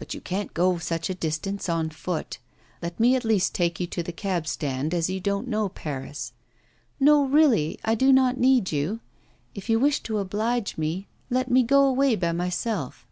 'But you can't go such a distance on foot. Let me at least take you to the cabstand, as you don't know Paris.' 'No, really I do not need you. If you wish to oblige me, let me go away by myself.